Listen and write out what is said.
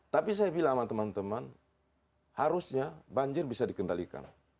tapi saya bilang sama teman teman harusnya banjir bisa dikendalikan